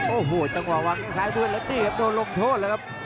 โอ้โหจังหวะวางข้างซ้ายด้วยแล้วนี่ครับโดนลงโทษแล้วครับ